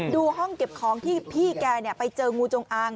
ดูห้องเก็บของที่พี่แกไปเจองูจงอาง